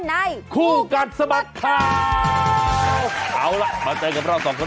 ในคู่กัดสะบัดครัวเอาล่ะมาใช้เกั้งกับเราสองคน